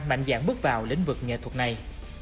mạnh dạng bước vào lĩnh vực nghệ thuật này